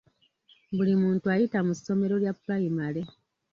Buli muntu ayita mu ssomero lya pulayimale.